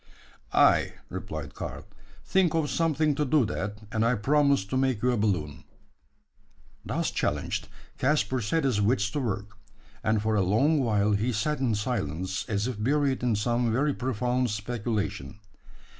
"Ay," replied Karl; "think of something to do that, and I promise to make you a balloon." Thus challenged, Caspar set his wits to work; and for a long while he sat in silence, as if buried in some very profound speculation.